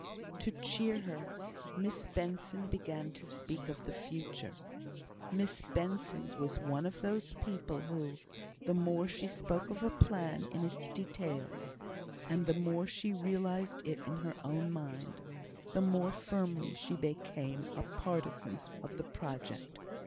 To cheer her, Miss Benson began to speak of the future. Miss Benson was one of those people who, the more she spoke of a plan in its details, and the more she realised it in her own mind, the more firmly she became a partisan of the project.